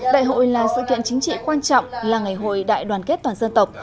đại hội là sự kiện chính trị quan trọng là ngày hội đại đoàn kết toàn dân tộc